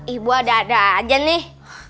ibu ada ada aja nih